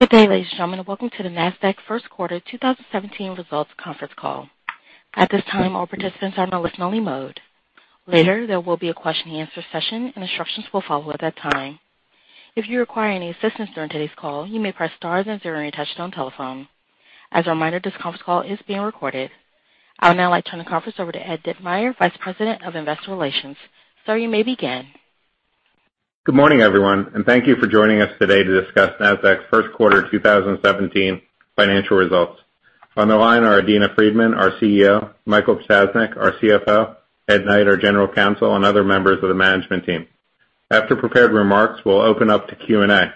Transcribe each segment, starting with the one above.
Good day, ladies and gentlemen, and welcome to the Nasdaq first quarter 2017 results conference call. At this time, all participants are in a listen-only mode. Later, there will be a question and answer session, and instructions will follow at that time. If you require any assistance during today's call, you may press star then zero on your touch-tone telephone. As a reminder, this conference call is being recorded. I would now like to turn the conference over to Ed Ditmeyer, Vice President of Investor Relations. Sir, you may begin. Good morning, everyone, and thank you for joining us today to discuss Nasdaq's first quarter 2017 financial results. On the line are Adena Friedman, our CEO; Michael Pszeniczka, our CFO; Ed Knight, our General Counsel; and other members of the management team. After prepared remarks, we'll open up to Q&A.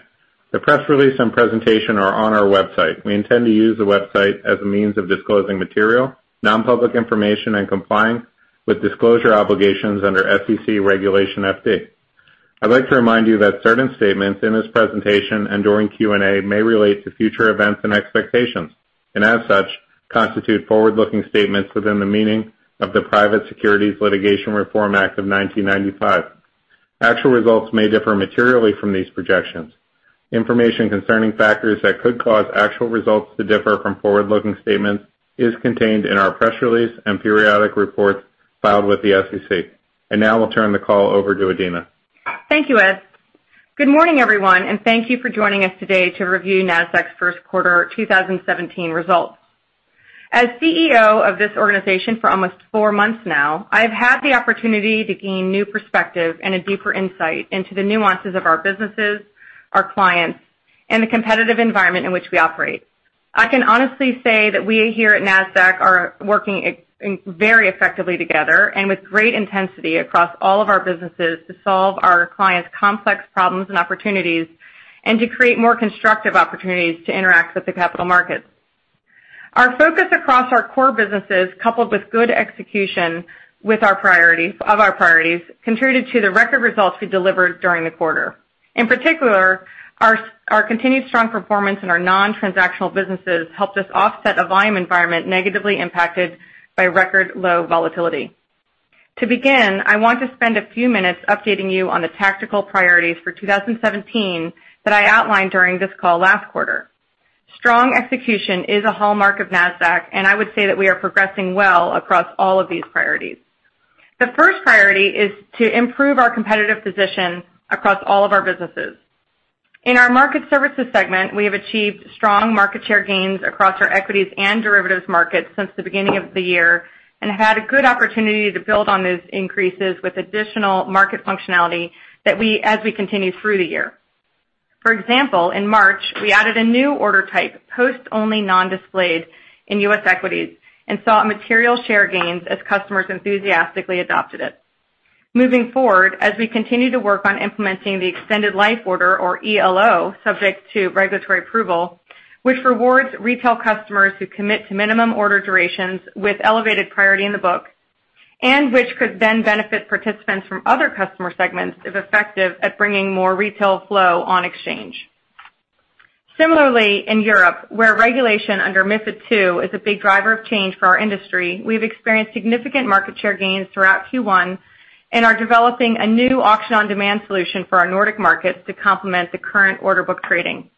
The press release and presentation are on our website. We intend to use the website as a means of disclosing material, non-public information, and complying with disclosure obligations under SEC Regulation FD. I'd like to remind you that certain statements in this presentation and during Q&A may relate to future events and expectations, and as such, constitute forward-looking statements within the meaning of the Private Securities Litigation Reform Act of 1995. Actual results may differ materially from these projections. Information concerning factors that could cause actual results to differ from forward-looking statements is contained in our press release and periodic reports filed with the SEC. Now I'll turn the call over to Adena. Thank you, Ed. Good morning, everyone, and thank you for joining us today to review Nasdaq's first quarter 2017 results. As CEO of this organization for almost four months now, I've had the opportunity to gain new perspective and a deeper insight into the nuances of our businesses, our clients, and the competitive environment in which we operate. I can honestly say that we here at Nasdaq are working very effectively together and with great intensity across all of our businesses to solve our clients' complex problems and opportunities and to create more constructive opportunities to interact with the capital markets. Our focus across our core businesses, coupled with good execution of our priorities, contributed to the record results we delivered during the quarter. In particular, our continued strong performance in our non-transactional businesses helped us offset a volume environment negatively impacted by record low volatility. To begin, I want to spend a few minutes updating you on the tactical priorities for 2017 that I outlined during this call last quarter. Strong execution is a hallmark of Nasdaq, and I would say that we are progressing well across all of these priorities. The first priority is to improve our competitive position across all of our businesses. In our market services segment, we have achieved strong market share gains across our equities and derivatives markets since the beginning of the year and had a good opportunity to build on these increases with additional market functionality as we continue through the year. For example, in March, we added a new order type, post-only non-displayed, in U.S. equities and saw material share gains as customers enthusiastically adopted it. Moving forward, as we continue to work on implementing the extended life order, or ELO, subject to regulatory approval, which rewards retail customers who commit to minimum order durations with elevated priority in the book, and which could then benefit participants from other customer segments if effective at bringing more retail flow on exchange. Similarly, in Europe, where regulation under MiFID II is a big driver of change for our industry, we've experienced significant market share gains throughout Q1 and are developing a new auction on demand solution for our Nordic markets to complement the current order book trading.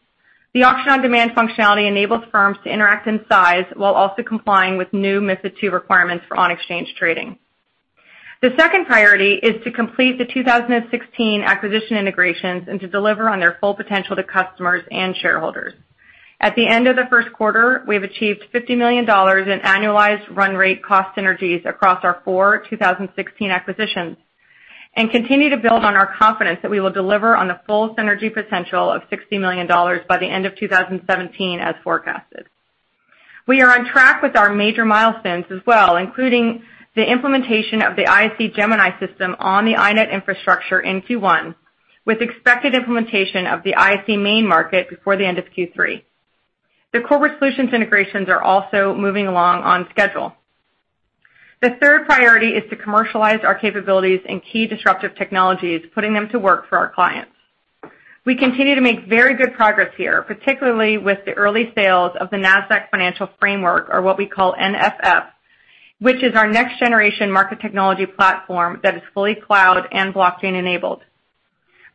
The auction on demand functionality enables firms to interact in size while also complying with new MiFID II requirements for on-exchange trading. The second priority is to complete the 2016 acquisition integrations and to deliver on their full potential to customers and shareholders. At the end of the first quarter, we have achieved $50 million in annualized run rate cost synergies across our four 2016 acquisitions and continue to build on our confidence that we will deliver on the full synergy potential of $60 million by the end of 2017 as forecasted. We are on track with our major milestones as well, including the implementation of the ISE Gemini system on the INET infrastructure in Q1, with expected implementation of the ISE main market before the end of Q3. The corporate solutions integrations are also moving along on schedule. The third priority is to commercialize our capabilities in key disruptive technologies, putting them to work for our clients. We continue to make very good progress here, particularly with the early sales of the Nasdaq Financial Framework, or what we call NFF, which is our next-generation market technology platform that is fully cloud and blockchain-enabled.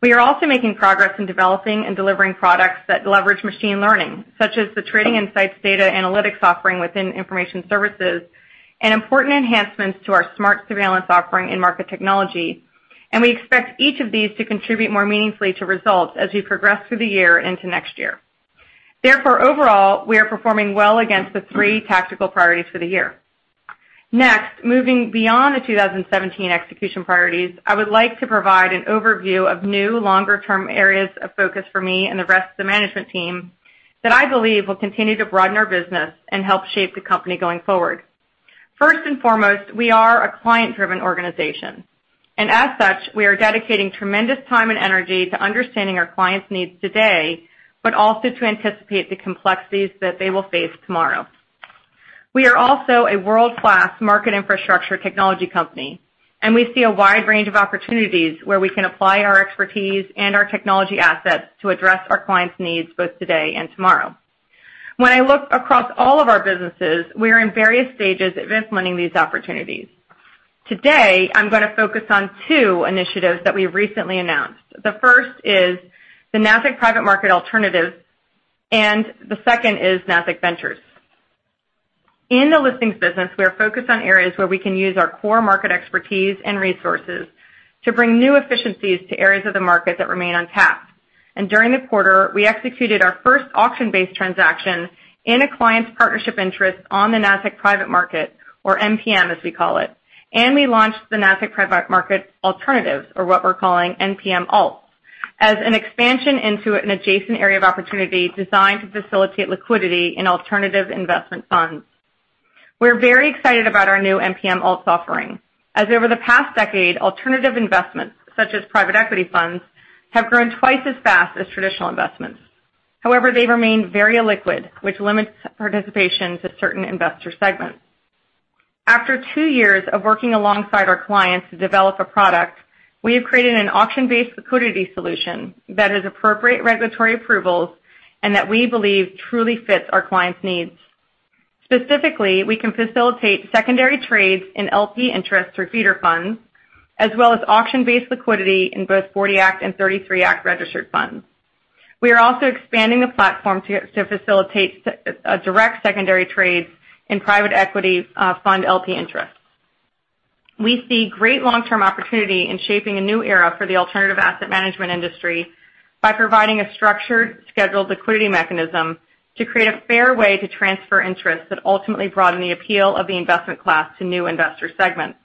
We are also making progress in developing and delivering products that leverage machine learning, such as the Trading Insights data analytics offering within Information Services and important enhancements to our SMARTS Surveillance offering in Market Technology, and we expect each of these to contribute more meaningfully to results as we progress through the year into next year. Therefore, overall, we are performing well against the three tactical priorities for the year. Next, moving beyond the 2017 execution priorities, I would like to provide an overview of new longer-term areas of focus for me and the rest of the management team that I believe will continue to broaden our business and help shape the company going forward. First and foremost, we are a client-driven organization, and as such, we are dedicating tremendous time and energy to understanding our clients' needs today, but also to anticipate the complexities that they will face tomorrow. We are also a world-class market infrastructure technology company, and we see a wide range of opportunities where we can apply our expertise and our technology assets to address our clients' needs both today and tomorrow. When I look across all of our businesses, we are in various stages of implementing these opportunities. Today, I'm going to focus on two initiatives that we recently announced. The first is the Nasdaq Private Market Alternatives, and the second is Nasdaq Ventures. In the listings business, we are focused on areas where we can use our core market expertise and resources to bring new efficiencies to areas of the market that remain untapped. During the quarter, we executed our first auction-based transaction in a client's partnership interest on the Nasdaq Private Market, or NPM, as we call it. We launched the Nasdaq Private Market Alternatives, or what we're calling NPM Alts, as an expansion into an adjacent area of opportunity designed to facilitate liquidity in alternative investment funds. We're very excited about our new NPM Alts offering, as over the past decade, alternative investments, such as private equity funds, have grown twice as fast as traditional investments. However, they remain very illiquid, which limits participation to certain investor segments. After two years of working alongside our clients to develop a product, we have created an auction-based liquidity solution that has appropriate regulatory approvals and that we believe truly fits our clients' needs. Specifically, we can facilitate secondary trades in LP interest through feeder funds, as well as auction-based liquidity in both '40 Act and '33 Act registered funds. We are also expanding the platform to facilitate a direct secondary trade in private equity fund LP interests. We see great long-term opportunity in shaping a new era for the alternative asset management industry by providing a structured, scheduled liquidity mechanism to create a fair way to transfer interests that ultimately broaden the appeal of the investment class to new investor segments.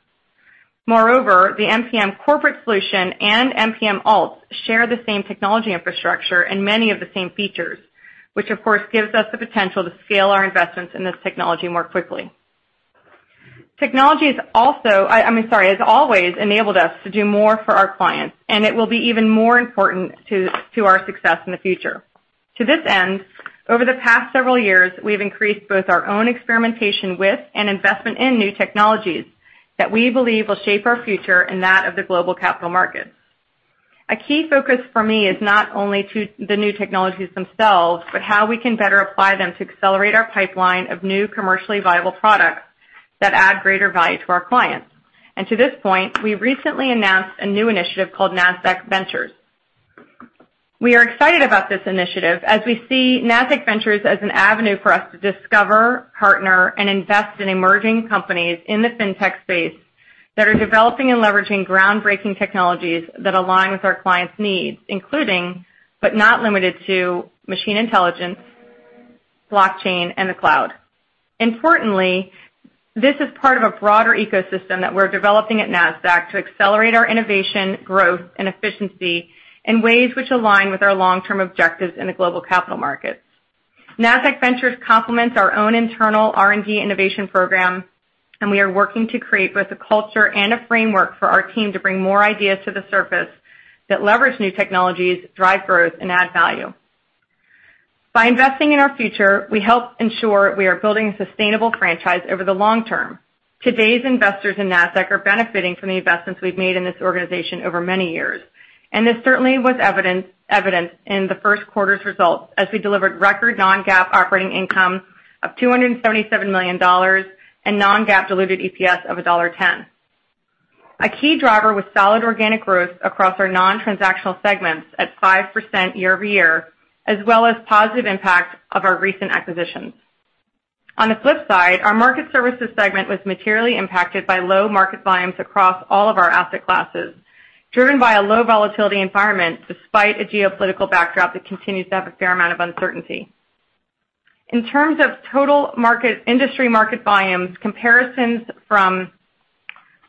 Moreover, the NPM corporate solution and NPM Alts share the same technology infrastructure and many of the same features, which of course gives us the potential to scale our investments in this technology more quickly. Technology has always enabled us to do more for our clients. It will be even more important to our success in the future. To this end, over the past several years, we've increased both our own experimentation with and investment in new technologies that we believe will shape our future and that of the global capital markets. A key focus for me is not only the new technologies themselves, but how we can better apply them to accelerate our pipeline of new commercially viable products that add greater value to our clients. To this point, we recently announced a new initiative called Nasdaq Ventures. We are excited about this initiative as we see Nasdaq Ventures as an avenue for us to discover, partner, and invest in emerging companies in the Fintech space that are developing and leveraging groundbreaking technologies that align with our clients' needs, including, but not limited to, machine intelligence, blockchain, and the cloud. Importantly, this is part of a broader ecosystem that we're developing at Nasdaq to accelerate our innovation, growth, and efficiency in ways which align with our long-term objectives in the global capital markets. Nasdaq Ventures complements our own internal R&D innovation program. We are working to create both a culture and a framework for our team to bring more ideas to the surface that leverage new technologies, drive growth, and add value. By investing in our future, we help ensure we are building a sustainable franchise over the long term. Today's investors in Nasdaq are benefiting from the investments we've made in this organization over many years. This certainly was evident in the first quarter's results as we delivered record non-GAAP operating income of $277 million and non-GAAP diluted EPS of $1.10. A key driver with solid organic growth across our non-transactional segments at 5% year-over-year, as well as positive impact of our recent acquisitions. On the flip side, our market services segment was materially impacted by low market volumes across all of our asset classes, driven by a low volatility environment despite a geopolitical backdrop that continues to have a fair amount of uncertainty. In terms of total industry market volumes, comparisons from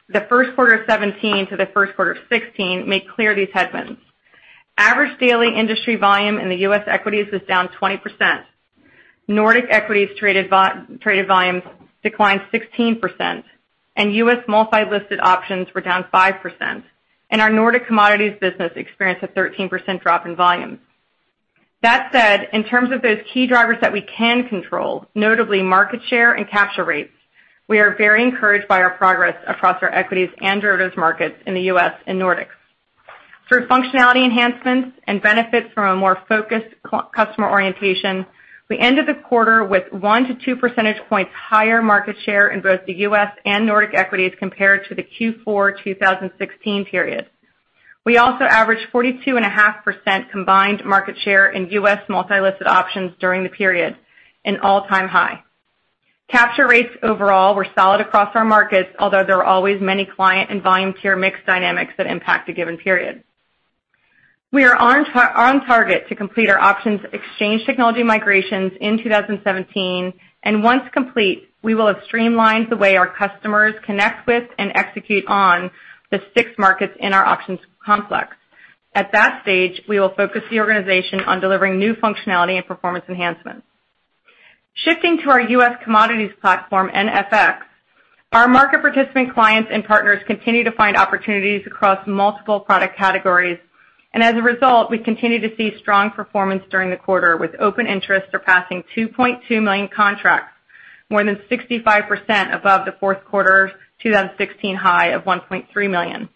the first quarter of 2017 to the first quarter of 2016 make clear these headwinds. Average daily industry volume in the U.S. equities was down 20%. Nordic equities traded volumes declined 16%, and U.S. multi-listed options were down 5%. Our Nordic commodities business experienced a 13% drop in volumes. That said, in terms of those key drivers that we can control, notably market share and capture rates, we are very encouraged by our progress across our equities and derivatives markets in the U.S. and Nordics. Through functionality enhancements and benefits from a more focused customer orientation, we ended the quarter with one to two percentage points higher market share in both the U.S. and Nordic equities compared to the Q4 2016 period. We also averaged 42.5% combined market share in U.S. multi-listed options during the period, an all-time high. Capture rates overall were solid across our markets, although there are always many client and volume tier mix dynamics that impact a given period. We are on target to complete our options exchange technology migrations in 2017, and once complete, we will have streamlined the way our customers connect with and execute on the six markets in our options complex. At that stage, we will focus the organization on delivering new functionality and performance enhancements. Shifting to our U.S. commodities platform, Nasdaq Futures, our market participant clients and partners continue to find opportunities across multiple product categories. As a result, we continue to see strong performance during the quarter, with open interests surpassing 2.2 million contracts, more than 65% above the fourth quarter 2016 high of 1.3 million.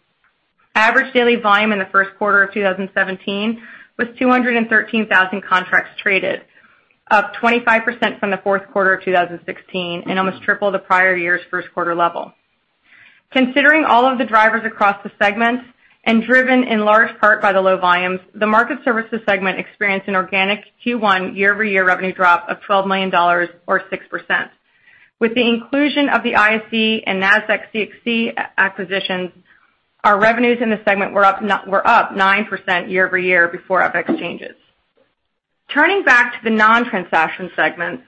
Average daily volume in the first quarter of 2017 was 213,000 contracts traded, up 25% from the fourth quarter of 2016 and almost triple the prior year's first quarter level. Considering all of the drivers across the segments and driven in large part by the low volumes, the Market Services segment experienced an organic Q1 year-over-year revenue drop of $12 million, or 6%. With the inclusion of the ISE and Nasdaq CXC acquisitions, our revenues in the segment were up 9% year-over-year before FX changes. Turning back to the non-transaction segments,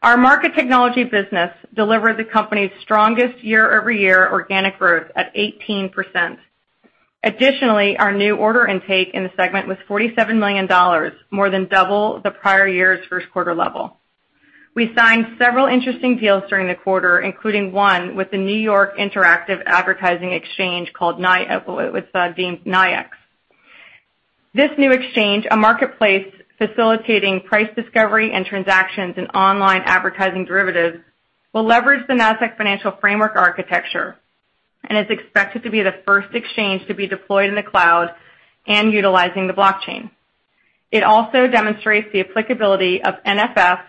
our Market Technology business delivered the company's strongest year-over-year organic growth at 18%. Additionally, our new order intake in the segment was $47 million, more than double the prior year's first quarter level. We signed several interesting deals during the quarter, including one with the New York Interactive Advertising Exchange called NYIAX. This new exchange, a marketplace facilitating price discovery and transactions in online advertising derivatives, will leverage the Nasdaq Financial Framework architecture and is expected to be the first exchange to be deployed in the cloud and utilizing the blockchain. It also demonstrates the applicability of NFF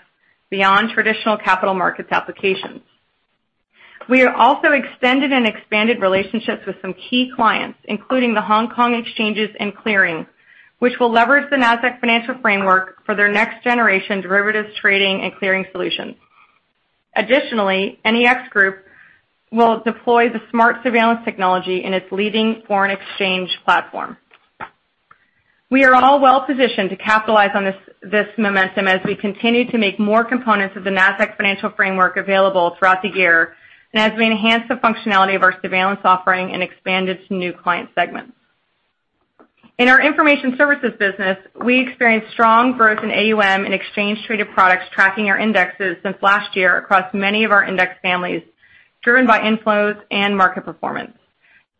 beyond traditional capital markets applications. We have also extended and expanded relationships with some key clients, including the Hong Kong Exchanges and Clearing, which will leverage the Nasdaq Financial Framework for their next-generation derivatives trading and clearing solutions. Additionally, NEX Group will deploy the SMARTS Surveillance technology in its leading foreign exchange platform. We are all well-positioned to capitalize on this momentum as we continue to make more components of the Nasdaq Financial Framework available throughout the year and as we enhance the functionality of our surveillance offering and expand it to new client segments. In our Information Services business, we experienced strong growth in AUM and exchange traded products tracking our indexes since last year across many of our index families, driven by inflows and market performance.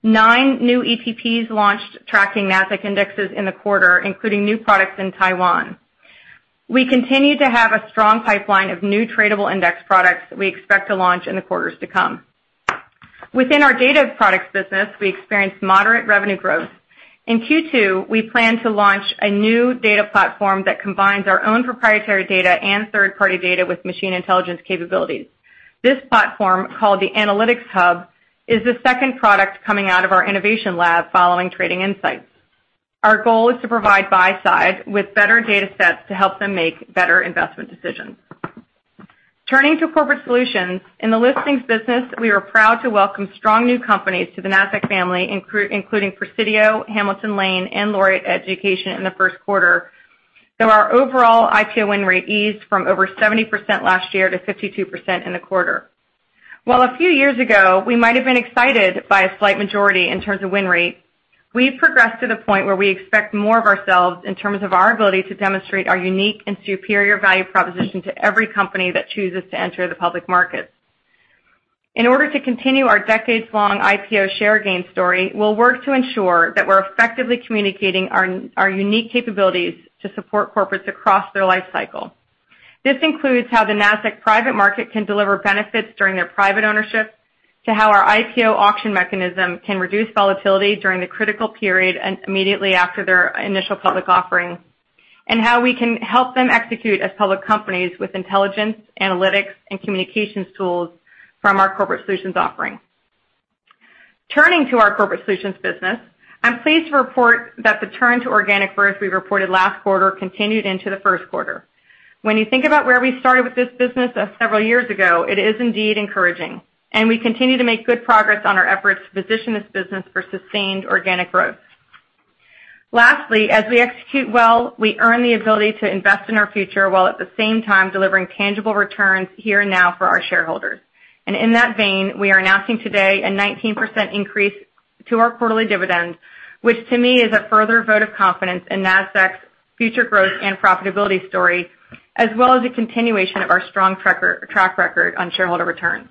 Nine new ETPs launched tracking Nasdaq indexes in the quarter, including new products in Taiwan. We continue to have a strong pipeline of new tradable index products that we expect to launch in the quarters to come. Within our data products business, we experienced moderate revenue growth. In Q2, we plan to launch a new data platform that combines our own proprietary data and third-party data with machine intelligence capabilities. This platform, called the Analytics Hub, is the second product coming out of our innovation lab following Trading Insights. Our goal is to provide buy side with better data sets to help them make better investment decisions. Turning to Corporate Solutions, in the listings business, we are proud to welcome strong new companies to the Nasdaq family, including Presidio, Hamilton Lane, and Laureate Education in the first quarter, though our overall IPO win rate eased from over 70% last year to 52% in the quarter. While a few years ago, we might've been excited by a slight majority in terms of win rate, we've progressed to the point where we expect more of ourselves in terms of our ability to demonstrate our unique and superior value proposition to every company that chooses to enter the public markets. In order to continue our decades-long IPO share gain story, we'll work to ensure that we're effectively communicating our unique capabilities to support corporates across their life cycle. This includes how the Nasdaq Private Market can deliver benefits during their private ownership, to how our IPO auction mechanism can reduce volatility during the critical period and immediately after their initial public offering, and how we can help them execute as public companies with intelligence, analytics, and communications tools from our Corporate Solutions offering. Turning to our Corporate Solutions business, I'm pleased to report that the turn to organic growth we reported last quarter continued into the first quarter. When you think about where we started with this business several years ago, it is indeed encouraging, and we continue to make good progress on our efforts to position this business for sustained organic growth. Lastly, as we execute well, we earn the ability to invest in our future while at the same time delivering tangible returns here and now for our shareholders. In that vein, we are announcing today a 19% increase to our quarterly dividend, which to me is a further vote of confidence in Nasdaq's future growth and profitability story, as well as a continuation of our strong track record on shareholder returns.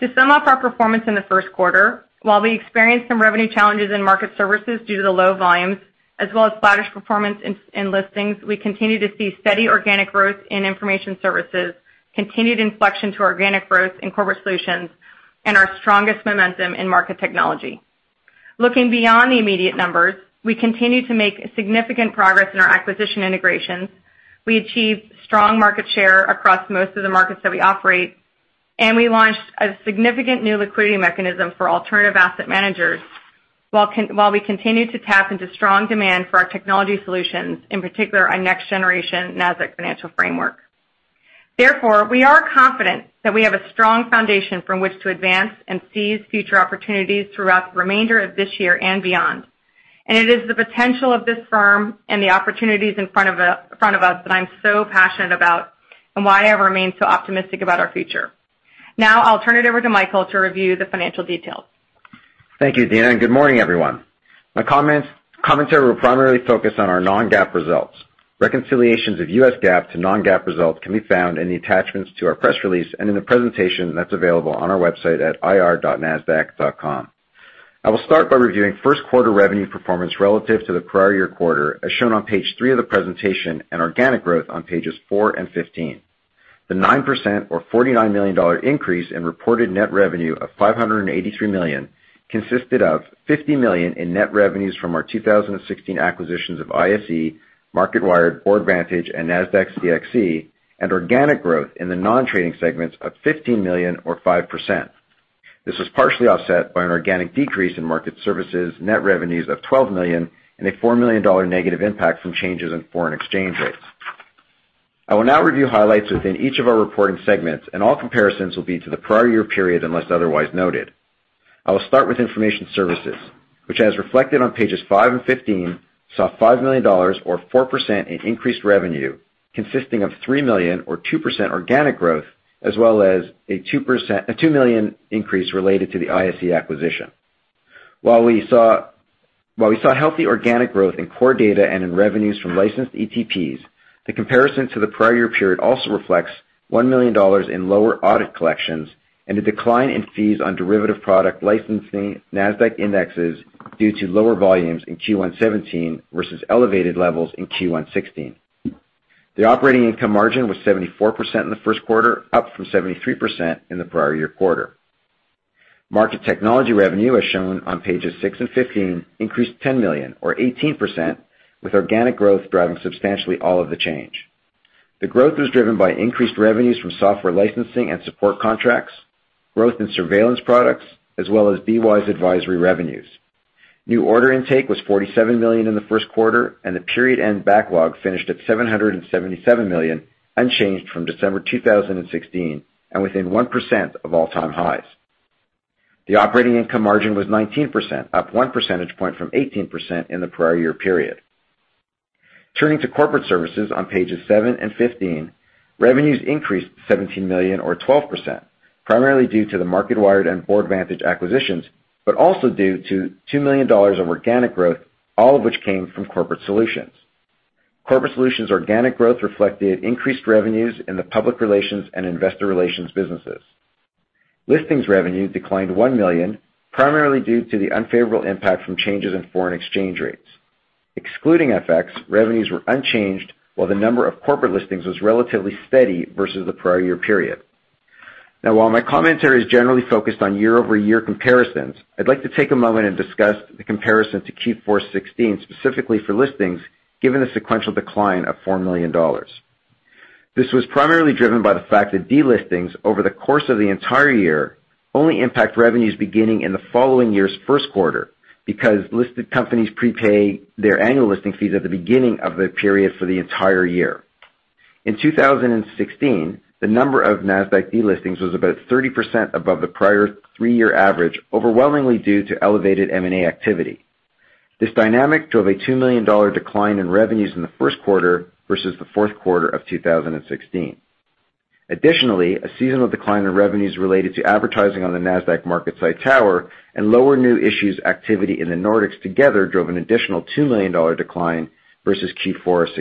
To sum up our performance in the first quarter, while we experienced some revenue challenges in Market Services due to the low volumes, as well as flattish performance in listings, we continue to see steady organic growth in Information Services, continued inflection to organic growth in Corporate Solutions, and our strongest momentum in Market Technology. Looking beyond the immediate numbers, we continue to make significant progress in our acquisition integrations, we achieved strong market share across most of the markets that we operate, and we launched a significant new liquidity mechanism for alternative asset managers, while we continue to tap into strong demand for our technology solutions, in particular our next-generation Nasdaq Financial Framework. Therefore, we are confident that we have a strong foundation from which to advance and seize future opportunities throughout the remainder of this year and beyond. It is the potential of this firm and the opportunities in front of us that I'm so passionate about and why I remain so optimistic about our future. Now, I'll turn it over to Michael to review the financial details. Thank you, Adena, and good morning, everyone. My commentary will primarily focus on our non-GAAP results. Reconciliations of U.S. GAAP to non-GAAP results can be found in the attachments to our press release and in the presentation that's available on our website at ir.nasdaq.com. I will start by reviewing first quarter revenue performance relative to the prior year quarter, as shown on page three of the presentation, and organic growth on pages four and 15. The 9% or $49 million increase in reported net revenue of $583 million consisted of $50 million in net revenues from our 2016 acquisitions of ISE, Marketwired, Boardvantage, and Nasdaq CXC, and organic growth in the non-trading segments of $15 million or 5%. This was partially offset by an organic decrease in Market Services net revenues of $12 million and a $4 million negative impact from changes in foreign exchange rates. I will now review highlights within each of our reporting segments. All comparisons will be to the prior year period, unless otherwise noted. I will start with Information Services, which, as reflected on pages five and 15, saw $5 million or 4% in increased revenue, consisting of $3 million or 2% organic growth, as well as a $2 million increase related to the ISE acquisition. While we saw healthy organic growth in core data and in revenues from licensed ETPs, the comparison to the prior year period also reflects $1 million in lower audit collections and a decline in fees on derivative product licensing, Nasdaq indexes, due to lower volumes in Q1 2017 versus elevated levels in Q1 2016. The operating income margin was 74% in the first quarter, up from 73% in the prior year quarter. Market Technology revenue, as shown on pages six and 15, increased $10 million or 18%, with organic growth driving substantially all of the change. The growth was driven by increased revenues from software licensing and support contracts, growth in surveillance products, as well as BWise advisory revenues. New order intake was $47 million in the first quarter. The period-end backlog finished at $777 million, unchanged from December 2016, and within 1% of all-time highs. The operating income margin was 19%, up one percentage point from 18% in the prior year period. Turning to Corporate Services on pages seven and 15, revenues increased $17 million or 12%, primarily due to the Marketwired and Boardvantage acquisitions, also due to $2 million of organic growth, all of which came from Corporate Solutions. Corporate Solutions organic growth reflected increased revenues in the public relations and investor relations businesses. Listings revenue declined $1 million, primarily due to the unfavorable impact from changes in foreign exchange rates. Excluding FX, revenues were unchanged, while the number of corporate listings was relatively steady versus the prior year period. While my commentary is generally focused on year-over-year comparisons, I'd like to take a moment and discuss the comparison to Q4 2016, specifically for listings, given the sequential decline of $4 million. This was primarily driven by the fact that delistings over the course of the entire year only impact revenues beginning in the following year's first quarter because listed companies prepay their annual listing fees at the beginning of the period for the entire year. In 2016, the number of Nasdaq delistings was about 30% above the prior three-year average, overwhelmingly due to elevated M&A activity. This dynamic drove a $2 million decline in revenues in the first quarter versus the fourth quarter of 2016. Additionally, a seasonal decline in revenues related to advertising on the Nasdaq Market Site tower and lower new issues activity in the Nordics together drove an additional $2 million decline versus Q4 of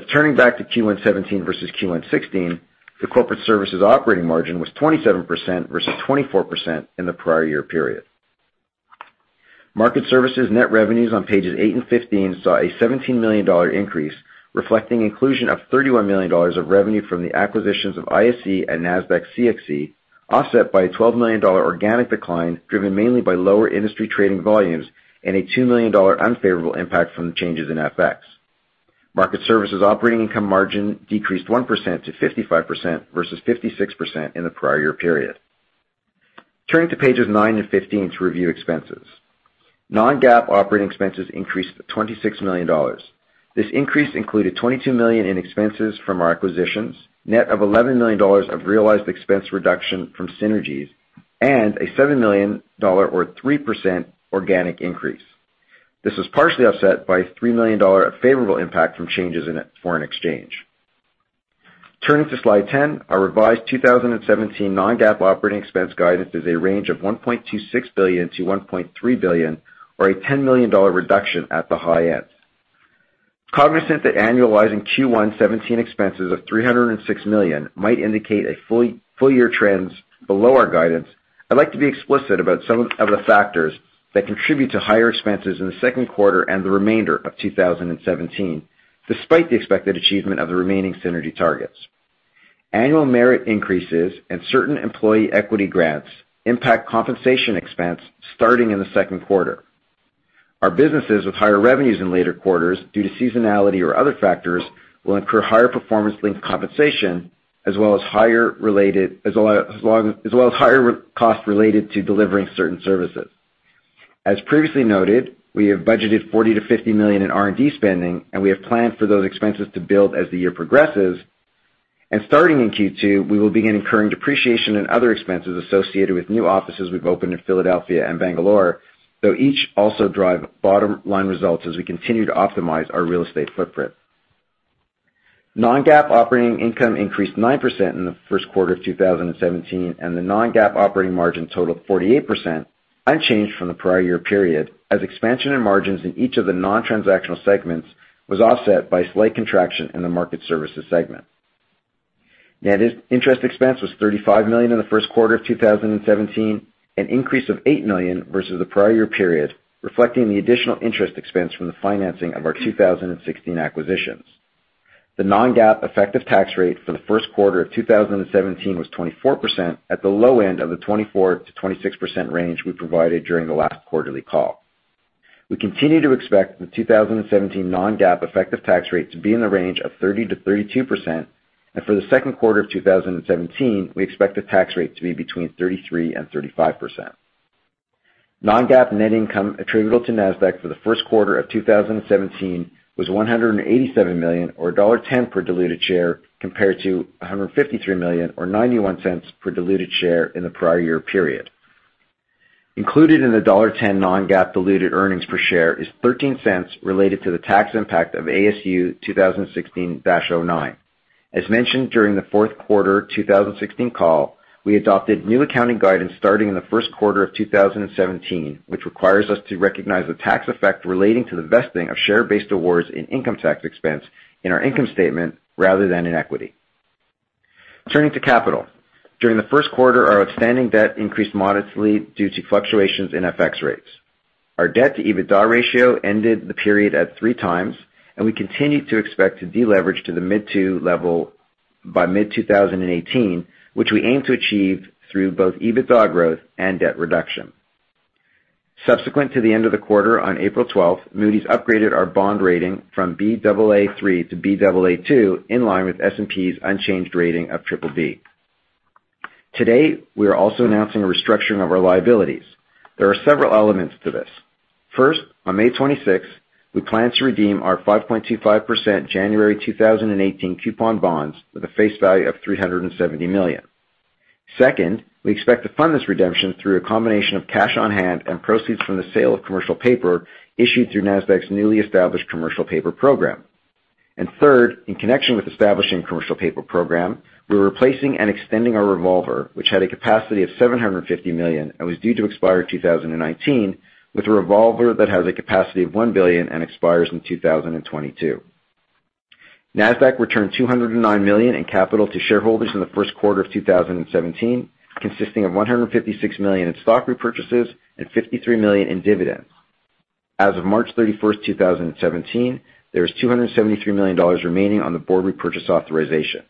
2016. Turning back to Q1 2017 versus Q1 2016, the Corporate Services operating margin was 27% versus 24% in the prior year period. Market Services net revenues on pages eight and 15 saw a $17 million increase, reflecting inclusion of $31 million of revenue from the acquisitions of ISE and Nasdaq CXC, offset by a $12 million organic decline, driven mainly by lower industry trading volumes and a $2 million unfavorable impact from the changes in FX. Market Services operating income margin decreased 1% to 55% versus 56% in the prior year period. Turning to pages nine to 15 to review expenses. Non-GAAP operating expenses increased $26 million. This increase included $22 million in expenses from our acquisitions, net of $11 million of realized expense reduction from synergies, and a $7 million or 3% organic increase. This was partially offset by a $3 million unfavorable impact from changes in foreign exchange. Turning to slide 10, our revised 2017 non-GAAP operating expense guidance is a range of $1.26 billion-$1.3 billion, or a $10 million reduction at the high end. Cognizant that annualizing Q1 2017 expenses of $306 million might indicate a full-year trends below our guidance, I'd like to be explicit about some of the factors that contribute to higher expenses in the second quarter and the remainder of 2017, despite the expected achievement of the remaining synergy targets. Annual merit increases and certain employee equity grants impact compensation expense starting in the second quarter. Our businesses with higher revenues in later quarters due to seasonality or other factors will incur higher performance-linked compensation as well as higher costs related to delivering certain services. As previously noted, we have budgeted $40 million-$50 million in R&D spending, and we have planned for those expenses to build as the year progresses. Starting in Q2, we will begin incurring depreciation in other expenses associated with new offices we've opened in Philadelphia and Bangalore, though each also drive bottom-line results as we continue to optimize our real estate footprint. Non-GAAP operating income increased 9% in the first quarter of 2017. The non-GAAP operating margin totaled 48%, unchanged from the prior year period, as expansion in margins in each of the non-transactional segments was offset by a slight contraction in the market services segment. Net interest expense was $35 million in the first quarter of 2017, an increase of $8 million versus the prior year period, reflecting the additional interest expense from the financing of our 2016 acquisitions. The non-GAAP effective tax rate for the first quarter of 2017 was 24%, at the low end of the 24%-26% range we provided during the last quarterly call. We continue to expect the 2017 non-GAAP effective tax rate to be in the range of 30%-32%, and for the second quarter of 2017, we expect the tax rate to be between 33% and 35%. Non-GAAP net income attributable to Nasdaq for the first quarter of 2017 was $187 million, or $1.10 per diluted share, compared to $153 million or $0.91 per diluted share in the prior year period. Included in the $1.10 non-GAAP diluted earnings per share is $0.13 related to the tax impact of ASU 2016-09. As mentioned during the fourth quarter 2016 call, we adopted new accounting guidance starting in the first quarter of 2017, which requires us to recognize the tax effect relating to the vesting of share-based awards in income tax expense in our income statement rather than in equity. Turning to capital. During the first quarter, our outstanding debt increased modestly due to fluctuations in FX rates. Our debt-to-EBITDA ratio ended the period at three times, and we continue to expect to deleverage to the mid 2 level by mid-2018, which we aim to achieve through both EBITDA growth and debt reduction. Subsequent to the end of the quarter, on April 12th, Moody's upgraded our bond rating from Baa3 to Baa2, in line with S&P's unchanged rating of BBB. Today, we are also announcing a restructuring of our liabilities. There are several elements to this. First, on May 26th, we plan to redeem our 5.25% January 2018 coupon bonds with a face value of $370 million. Second, we expect to fund this redemption through a combination of cash on hand and proceeds from the sale of commercial paper issued through Nasdaq's newly established commercial paper program. Third, in connection with establishing a commercial paper program, we're replacing and extending our revolver, which had a capacity of $750 million and was due to expire 2019, with a revolver that has a capacity of $1 billion and expires in 2022. Nasdaq returned $209 million in capital to shareholders in the first quarter of 2017, consisting of $156 million in stock repurchases and $53 million in dividends. As of March 31st, 2017, there is $273 million remaining on the board repurchase authorization.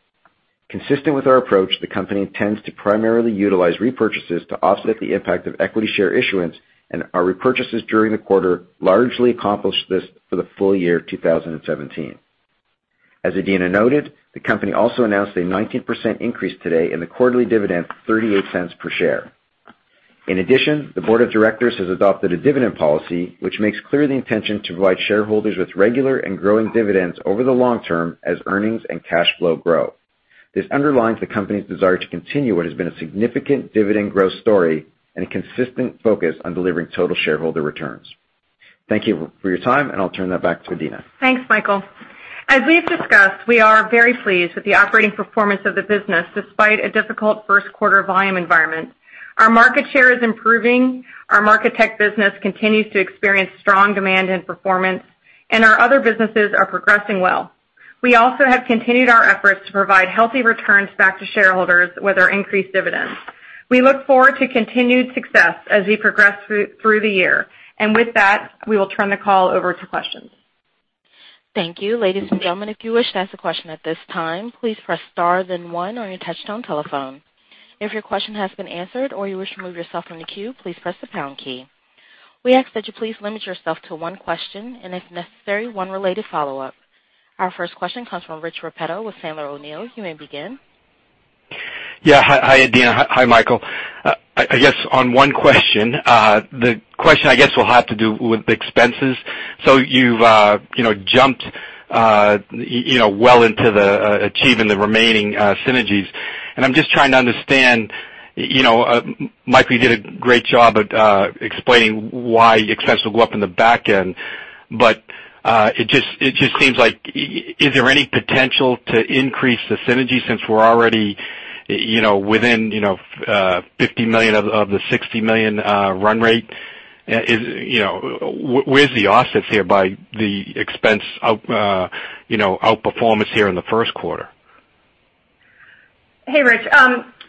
Consistent with our approach, the company intends to primarily utilize repurchases to offset the impact of equity share issuance, and our repurchases during the quarter largely accomplished this for the full year 2017. As Adena noted, the company also announced a 19% increase today in the quarterly dividend to $0.38 per share. In addition, the board of directors has adopted a dividend policy, which makes clear the intention to provide shareholders with regular and growing dividends over the long term as earnings and cash flow grow. This underlines the company's desire to continue what has been a significant dividend growth story and a consistent focus on delivering total shareholder returns. Thank you for your time, and I'll turn that back to Adena. Thanks, Michael. As we have discussed, we are very pleased with the operating performance of the business, despite a difficult first quarter volume environment. Our market share is improving, our market tech business continues to experience strong demand and performance, and our other businesses are progressing well. We also have continued our efforts to provide healthy returns back to shareholders with our increased dividends. We look forward to continued success as we progress through the year. With that, we will turn the call over to questions. Thank you. Ladies and gentlemen, if you wish to ask a question at this time, please press star then one on your touchtone telephone. If your question has been answered or you wish to remove yourself from the queue, please press the pound key. We ask that you please limit yourself to one question and, if necessary, one related follow-up. Our first question comes from Richard Repetto with Sandler O'Neill. You may begin. Hi, Adena. Hi, Michael. I guess on one question, the question, I guess, will have to do with the expenses. You've jumped well into achieving the remaining synergies, and I'm just trying to understand. Michael, you did a great job at explaining why expenses will go up in the back end. It just seems like, is there any potential to increase the synergy since we're already within $50 million of the $60 million run rate? Where's the offsets here by the expense outperformance here in the first quarter? Hey, Rich.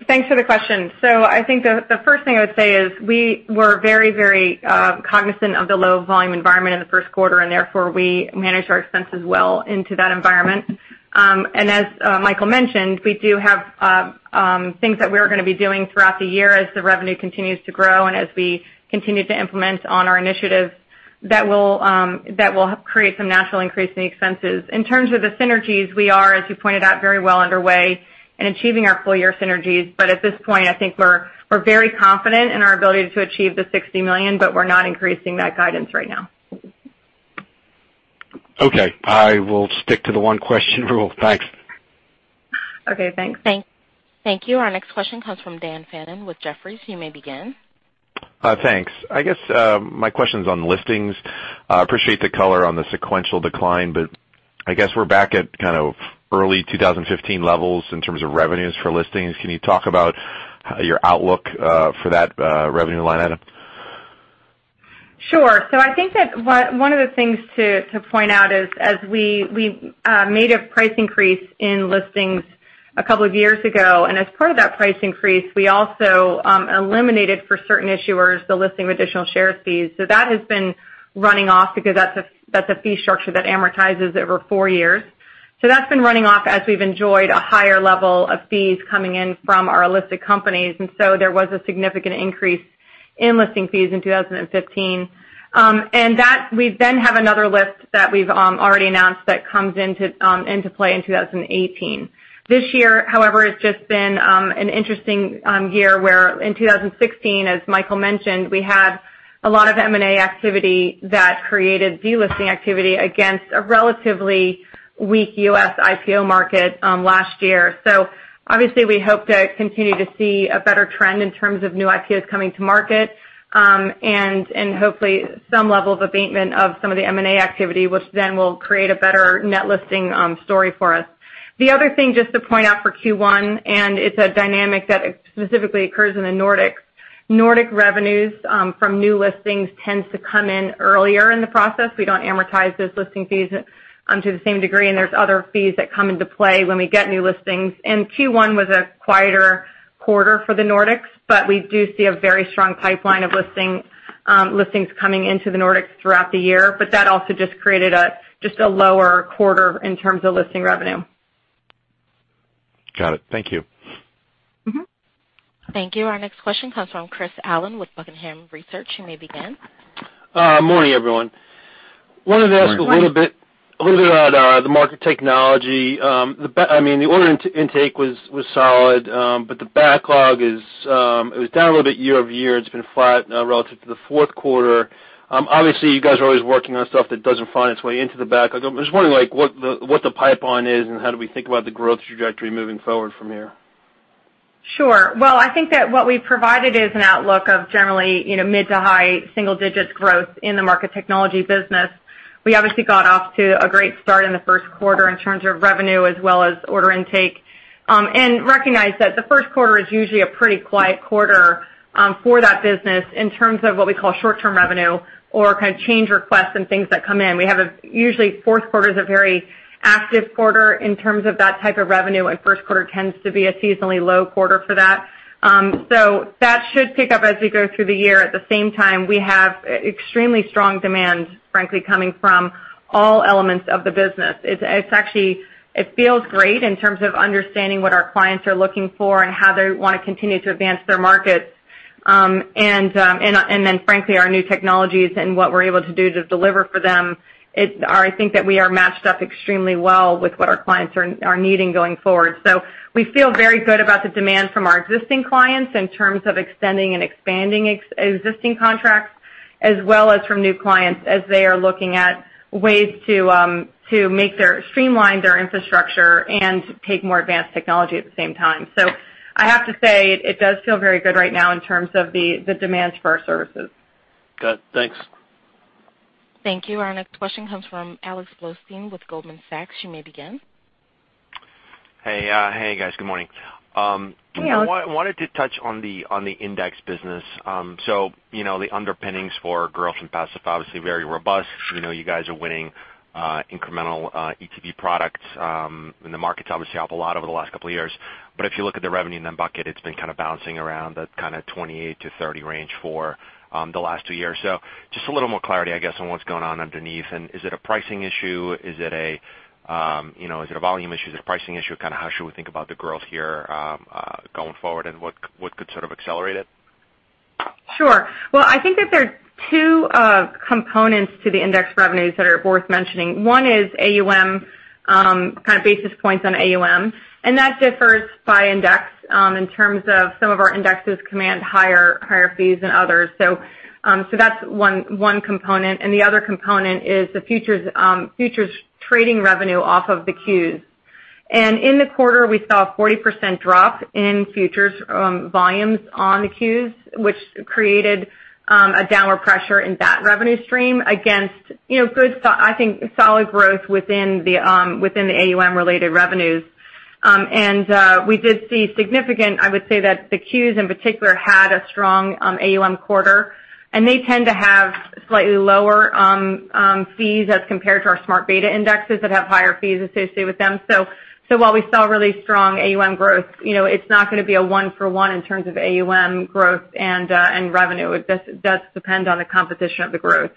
Thanks for the question. I think the first thing I would say is we were very, very cognizant of the low volume environment in the first quarter. Therefore, we managed our expenses well into that environment. As Michael mentioned, we do have things that we're going to be doing throughout the year as the revenue continues to grow and as we continue to implement on our initiatives that will help create some natural increase in the expenses. In terms of the synergies, we are, as you pointed out, very well underway in achieving our full-year synergies. At this point, I think we're very confident in our ability to achieve the $60 million. We're not increasing that guidance right now. I will stick to the one question rule. Thanks. Okay, thanks. Thank you. Our next question comes from Daniel Fannon with Jefferies. You may begin. Thanks. I guess my question's on listings. I appreciate the color on the sequential decline, but I guess we're back at kind of early 2015 levels in terms of revenues for listings. Can you talk about your outlook for that revenue line item? Sure. I think that one of the things to point out is, as we made a price increase in listings a couple of years ago. As part of that price increase, we also eliminated for certain issuers the Listing of Additional Shares fees. That has been running off because that's a fee structure that amortizes over four years. That's been running off as we've enjoyed a higher level of fees coming in from our listed companies. There was a significant increase in listing fees in 2015. We have another list that we've already announced that comes into play in 2018. This year, however, it's just been an interesting year where in 2016, as Michael mentioned, we had a lot of M&A activity that created delisting activity against a relatively weak U.S. IPO market last year. Obviously we hope to continue to see a better trend in terms of new IPOs coming to market, and hopefully some level of abatement of some of the M&A activity, which then will create a better net listing story for us. The other thing just to point out for Q1, and it's a dynamic that specifically occurs in the Nordics. Nordic revenues from new listings tends to come in earlier in the process. We don't amortize those listing fees to the same degree, and there's other fees that come into play when we get new listings. Q1 was a quieter quarter for the Nordics, but we do see a very strong pipeline of listings coming into the Nordics throughout the year. That also just created just a lower quarter in terms of listing revenue. Got it. Thank you. Thank you. Our next question comes from Christopher Allen with Buckingham Research. You may begin. Morning, everyone. Morning. Wanted to ask a little bit about the market technology. The order intake was solid. The backlog is down a little bit year-over-year. It's been flat relative to the fourth quarter. Obviously, you guys are always working on stuff that doesn't find its way into the backlog. I'm just wondering what the pipeline is and how do we think about the growth trajectory moving forward from here? Sure. Well, I think that what we've provided is an outlook of generally mid to high single-digit growth in the market technology business. We obviously got off to a great start in the first quarter in terms of revenue as well as order intake. Recognize that the first quarter is usually a pretty quiet quarter for that business in terms of what we call short-term revenue or kind of change requests and things that come in. Usually, fourth quarter's a very active quarter in terms of that type of revenue, and first quarter tends to be a seasonally low quarter for that. That should pick up as we go through the year. At the same time, we have extremely strong demand, frankly, coming from all elements of the business. It feels great in terms of understanding what our clients are looking for and how they want to continue to advance their markets. Frankly, our new technologies and what we're able to do to deliver for them, I think that we are matched up extremely well with what our clients are needing going forward. We feel very good about the demand from our existing clients in terms of extending and expanding existing contracts, as well as from new clients as they are looking at ways to streamline their infrastructure and take more advanced technology at the same time. I have to say, it does feel very good right now in terms of the demands for our services. Good. Thanks. Thank you. Our next question comes from Alexander Blostein with Goldman Sachs. You may begin. Hey. Hey, guys, good morning. Hey, Alex. Wanted to touch on the index business. The underpinnings for growth in passive, obviously very robust. You guys are winning incremental ETP products, and the market's obviously helped a lot over the last two years. If you look at the revenue in that bucket, it's been kind of bouncing around that kind of 28-30 range for the last two years. Just a little more clarity, I guess, on what's going on underneath. Is it a pricing issue? Is it a volume issue? Is it a pricing issue? Kind of how should we think about the growth here going forward, and what could sort of accelerate it? Sure. I think that there are two components to the index revenues that are worth mentioning. One is AUM, basis points on AUM. That differs by index in terms of some of our indexes command higher fees than others. That's one component. The other component is the futures trading revenue off of the Q's. In the quarter, we saw a 40% drop in futures volumes on the Q's, which created a downward pressure in that revenue stream against good, I think, solid growth within the AUM-related revenues. I would say that the Q's in particular had a strong AUM quarter, and they tend to have slightly lower fees as compared to our smart beta indexes that have higher fees associated with them. While we saw really strong AUM growth, it's not going to be a one for one in terms of AUM growth and revenue. It does depend on the composition of the growth.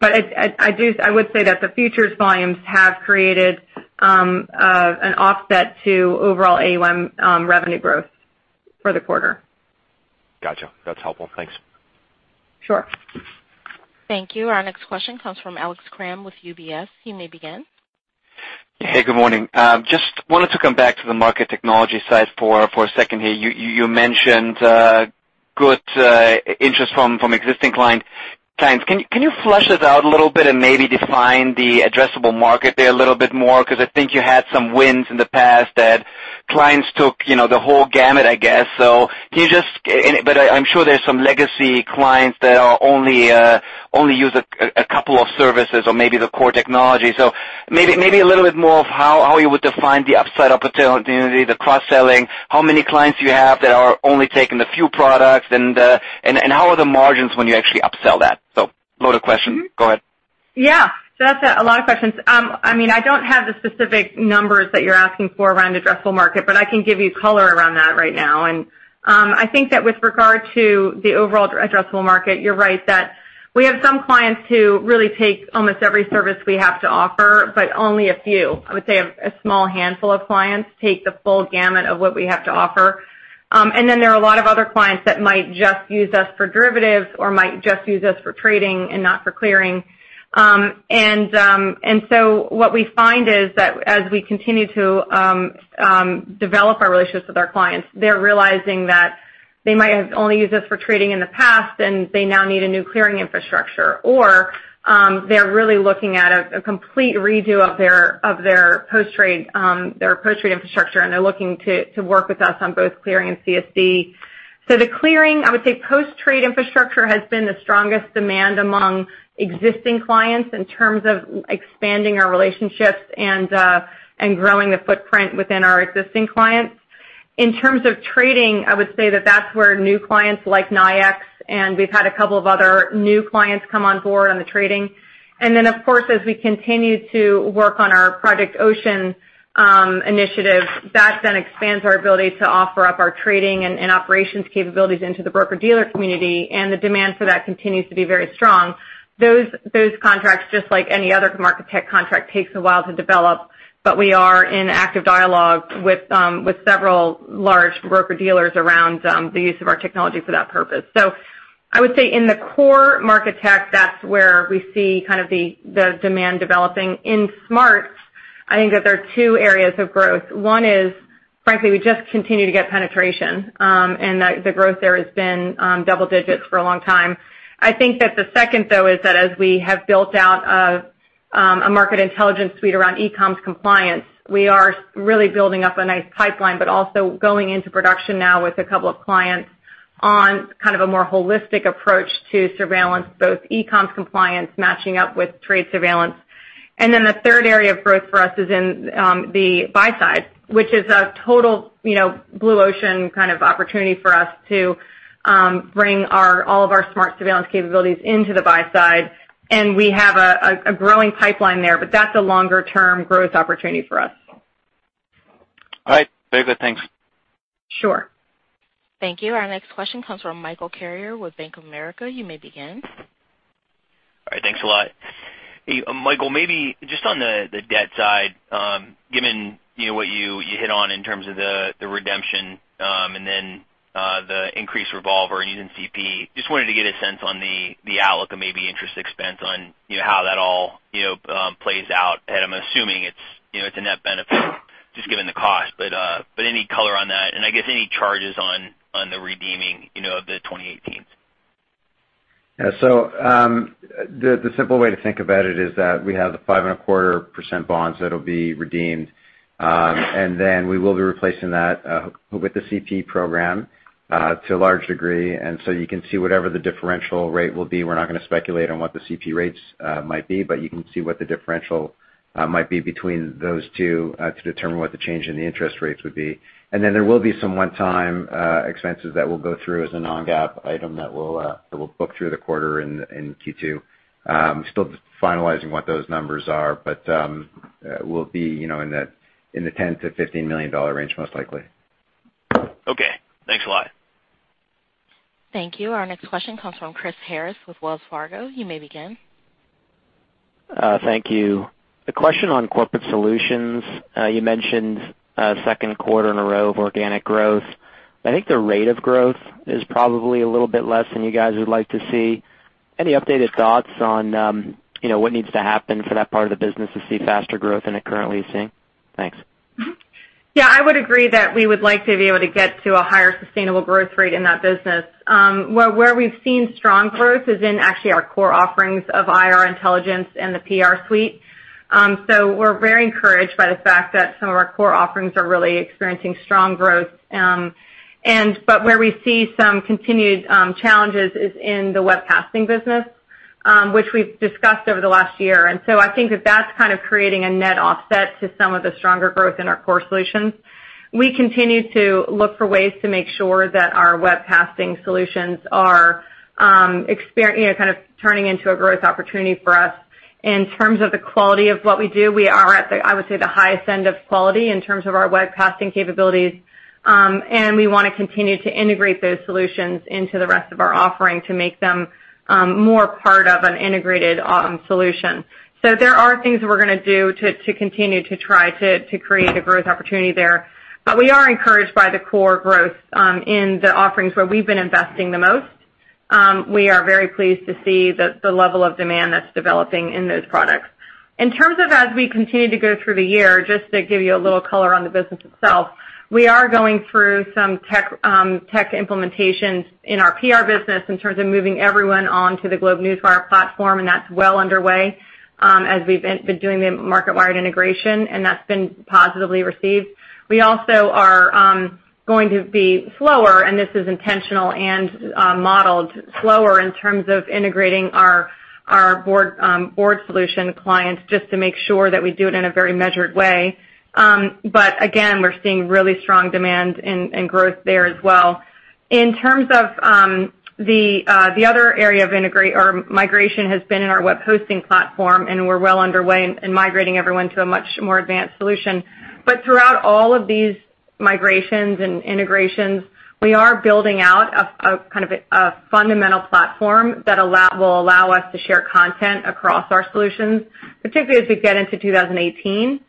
I would say that the futures volumes have created an offset to overall AUM revenue growth for the quarter. Got you. That's helpful. Thanks. Sure. Thank you. Our next question comes from Alex Kramm with UBS. You may begin. Hey, good morning. Just wanted to come back to the market technology side for a second here. You mentioned good interest from existing clients. Can you flesh this out a little bit and maybe define the addressable market there a little bit more? I think you had some wins in the past that clients took the whole gamut, I guess. I'm sure there's some legacy clients that only use a couple of services or maybe the core technology. Maybe a little bit more of how you would define the upside opportunity, the cross-selling, how many clients you have that are only taking the few products, and how are the margins when you actually upsell that? Load of question. Go ahead. Yeah. That's a lot of questions. I don't have the specific numbers that you're asking for around addressable market, but I can give you color around that right now. I think that with regard to the overall addressable market, you're right that we have some clients who really take almost every service we have to offer, but only a few. I would say a small handful of clients take the full gamut of what we have to offer. There are a lot of other clients that might just use us for derivatives or might just use us for trading and not for clearing. What we find is that as we continue to develop our relationships with our clients, they're realizing that they might have only used us for trading in the past, and they now need a new clearing infrastructure. They're really looking at a complete redo of their post-trade infrastructure, and they're looking to work with us on both clearing and CSD. The clearing, I would say, post-trade infrastructure has been the strongest demand among existing clients in terms of expanding our relationships and growing the footprint within our existing clients. In terms of trading, I would say that that's where new clients like NYIAX, we've had a couple of other new clients come on board on the trading. Of course, as we continue to work on our Project Ocean initiative, that then expands our ability to offer up our trading and operations capabilities into the broker-dealer community, and the demand for that continues to be very strong. Those contracts, just like any other market tech contract, takes a while to develop, but we are in active dialogue with several large broker-dealers around the use of our technology for that purpose. I would say in the core market tech, that's where we see kind of the demand developing. In SMARTS, I think that there are two areas of growth. One is, frankly, we just continue to get penetration, and the growth there has been double digits for a long time. I think that the second, though, is that as we have built out a market intelligence suite around e-comms compliance, we are really building up a nice pipeline, but also going into production now with a couple of clients on kind of a more holistic approach to surveillance, both e-comms compliance matching up with trade surveillance. The third area of growth for us is in the buy side, which is a total blue ocean kind of opportunity for us to bring all of our SMARTS Surveillance capabilities into the buy side. We have a growing pipeline there. That's a longer-term growth opportunity for us. All right. Very good. Thanks. Sure. Thank you. Our next question comes from Michael Carrier with Bank of America. You may begin. All right. Thanks a lot. Hey, Michael, maybe just on the debt side, given what you hit on in terms of the redemption and then the increased revolver and using CP, just wanted to get a sense on the outlook of maybe interest expense on how that all plays out. I'm assuming it's a net benefit just given the cost. Any color on that, and I guess any charges on the redeeming of the 2018? Yeah. The simple way to think about it is that we have the 5.25% bonds that'll be redeemed, then we will be replacing that with the CP program to a large degree. You can see whatever the differential rate will be. We're not going to speculate on what the CP rates might be. You can see what the differential might be between those two to determine what the change in the interest rates would be. There will be some one-time expenses that will go through as a non-GAAP item that we'll book through the quarter in Q2. Still finalizing what those numbers are, but will be in the $10 million-$15 million range most likely. Okay. Thanks a lot. Thank you. Our next question comes from Chris Harris with Wells Fargo. You may begin. Thank you. A question on Corporate Solutions. You mentioned a second quarter in a row of organic growth. I think the rate of growth is probably a little bit less than you guys would like to see. Any updated thoughts on what needs to happen for that part of the business to see faster growth than it currently is seeing? Thanks. Yeah. I would agree that we would like to be able to get to a higher sustainable growth rate in that business. Where we've seen strong growth is in actually our core offerings of IR Intelligence and the PR Suite. We're very encouraged by the fact that some of our core offerings are really experiencing strong growth. Where we see some continued challenges is in the webcasting business, which we've discussed over the last year. I think that's kind of creating a net offset to some of the stronger growth in our core solutions. We continue to look for ways to make sure that our webcasting solutions are kind of turning into a growth opportunity for us. In terms of the quality of what we do, we are at the, I would say, the highest end of quality in terms of our webcasting capabilities. We want to continue to integrate those solutions into the rest of our offering to make them more part of an integrated solution. There are things that we're going to do to continue to try to create a growth opportunity there. We are encouraged by the core growth in the offerings where we've been investing the most. We are very pleased to see the level of demand that's developing in those products. In terms of as we continue to go through the year, just to give you a little color on the business itself, we are going through some tech implementations in our PR business in terms of moving everyone onto the GlobeNewswire platform, and that's well underway as we've been doing the Marketwired integration, and that's been positively received. We also are going to be slower, and this is intentional and modeled slower in terms of integrating our board solution clients just to make sure that we do it in a very measured way. Again, we're seeing really strong demand and growth there as well. In terms of the other area of migration has been in our web hosting platform, and we're well underway in migrating everyone to a much more advanced solution. Throughout all of these migrations and integrations, we are building out a fundamental platform that will allow us to share content across our solutions, particularly as we get into 2018.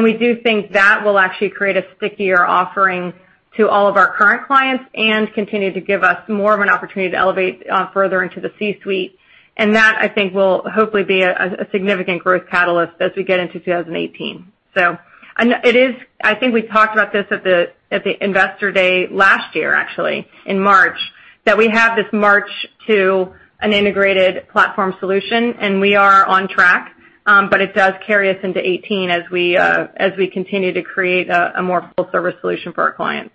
We do think that will actually create a stickier offering to all of our current clients and continue to give us more of an opportunity to elevate further into the C-suite. That, I think, will hopefully be a significant growth catalyst as we get into 2018. I think we talked about this at the investor day last year, actually, in March, that we have this march to an integrated platform solution, and we are on track. It does carry us into 2018 as we continue to create a more full-service solution for our clients.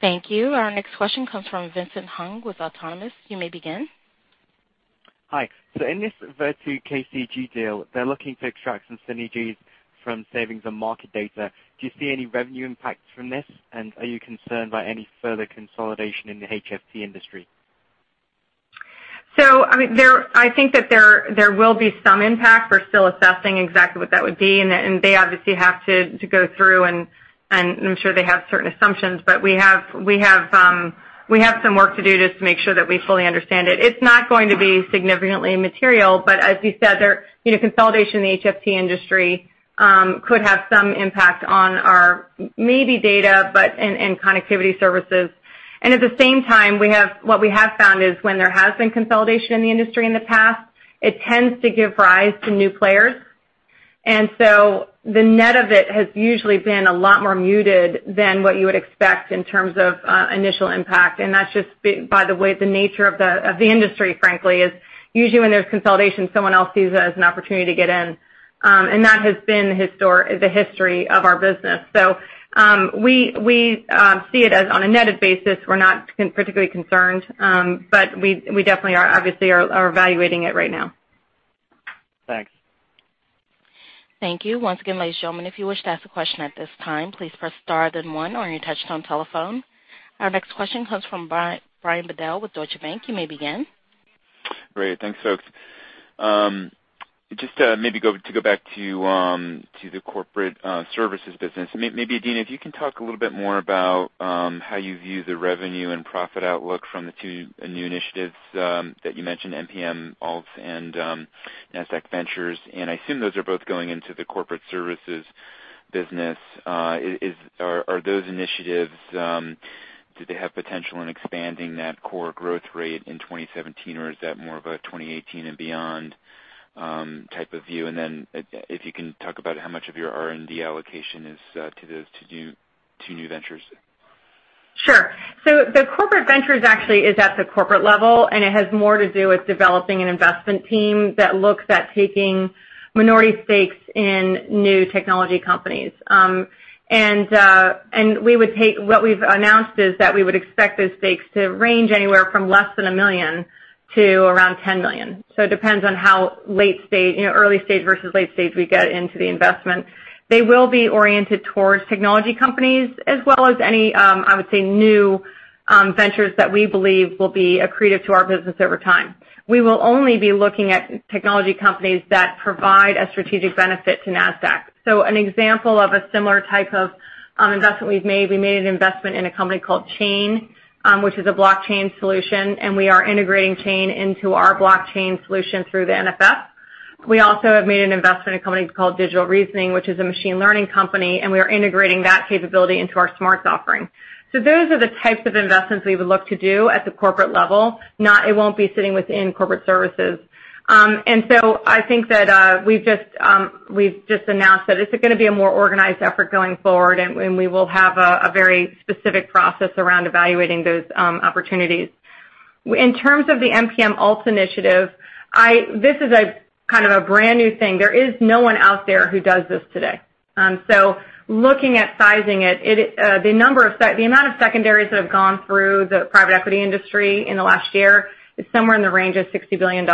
Thank you. Our next question comes from Vincent Hung with Autonomous. You may begin. Hi. In this Virtu KCG deal, they're looking to extract some synergies from savings on market data. Do you see any revenue impact from this? Are you concerned by any further consolidation in the HFT industry? I think that there will be some impact. We're still assessing exactly what that would be, and they obviously have to go through and I'm sure they have certain assumptions. We have some work to do just to make sure that we fully understand it. It's not going to be significantly material, but as you said, consolidation in the HFT industry could have some impact on our market data, but in connectivity services. At the same time, what we have found is when there has been consolidation in the industry in the past, it tends to give rise to new players. The net of it has usually been a lot more muted than what you would expect in terms of initial impact. That's just by the way, the nature of the industry, frankly, is usually when there's consolidation, someone else sees it as an opportunity to get in. That has been the history of our business. We see it as on a netted basis. We're not particularly concerned. We definitely are obviously evaluating it right now. Thanks. Thank you. Once again, ladies and gentlemen, if you wish to ask a question at this time, please press star then one on your touchtone telephone. Our next question comes from Brian Bedell with Deutsche Bank. You may begin. Great. Thanks, folks. Maybe to go back to the Corporate Services business, maybe Adena Friedman, if you can talk a little bit more about how you view the revenue and profit outlook from the two new initiatives that you mentioned, NPM Alts and Nasdaq Ventures. I assume those are both going into the Corporate Services business. Are those initiatives, do they have potential in expanding that core growth rate in 2017, or is that more of a 2018 and beyond type of view? If you can talk about how much of your R&D allocation is to those two new ventures. Sure. The Nasdaq Ventures actually is at the corporate level, it has more to do with developing an investment team that looks at taking minority stakes in new technology companies. What we've announced is that we would expect those stakes to range anywhere from less than $1 million to around $10 million. It depends on how early stage versus late stage we get into the investment. They will be oriented towards technology companies as well as any, I would say, new ventures that we believe will be accretive to our business over time. We will only be looking at technology companies that provide a strategic benefit to Nasdaq. An example of a similar type of investment we've made, we made an investment in a company called Chain, which is a blockchain solution, and we are integrating Chain into our blockchain solution through the NFF. We also have made an investment in a company called Digital Reasoning, which is a machine learning company, and we are integrating that capability into our SMARTS offering. Those are the types of investments we would look to do at the corporate level. It won't be sitting within Corporate Services. I think that we've just announced that this is going to be a more organized effort going forward, and we will have a very specific process around evaluating those opportunities. In terms of the NPM Alts initiative, this is a brand new thing. There is no one out there who does this today. Looking at sizing it, the amount of secondaries that have gone through the private equity industry in the last year is somewhere in the range of $60 billion.